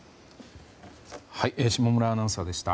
下村アナウンサーでした。